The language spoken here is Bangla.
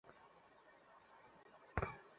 ও তোমার সাথে নাচতে চায় না, আমেরিকান।